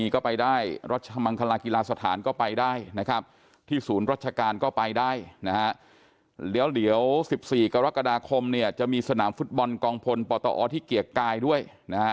กรกฎาคมเนี่ยจะมีสนามฟุตบอลกองพลปอที่เกียรติกายด้วยนะฮะ